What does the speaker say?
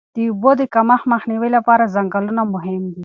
د اوبو د کمښت مخنیوي لپاره ځنګلونه مهم دي.